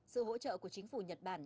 sự hỗ trợ của chính phủ nhật bản